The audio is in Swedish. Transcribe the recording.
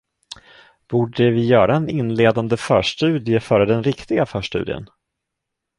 Borde vi göra en inledande förstudie före den riktiga förstudien?